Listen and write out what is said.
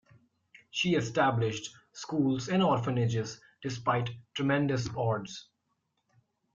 She established schools and orphanages despite tremendous odds.